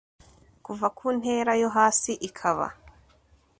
kuva ku ntera yo hasi ikaba